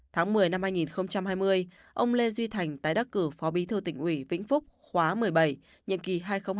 tháng một mươi năm hai nghìn hai mươi ông lê duy thành tái đắc cử phó bí thư tỉnh ủy vĩnh phúc khóa một mươi bảy nhiệm kỳ hai nghìn hai mươi hai nghìn hai mươi